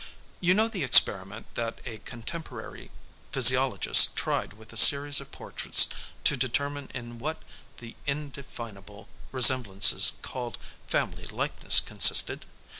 You know the experiment that a contemporary physiologist tried with a series of portraits to determine in what the indefinable resemblances called family likeness consisted?